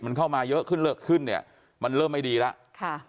มันเข้ามาเยอะขึ้นเลิกขึ้นเนี่ยมันเริ่มไม่ดีแล้วค่ะ